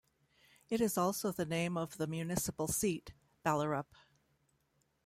It is also the name of the municipal seat, Ballerup.